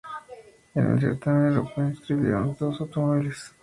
En el certamen europeo inscribieron dos automóviles.